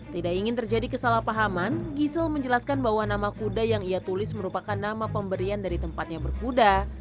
tidak ingin terjadi kesalahpahaman gisel menjelaskan bahwa nama kuda yang ia tulis merupakan nama pemberian dari tempatnya berkuda